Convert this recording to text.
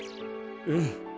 うん。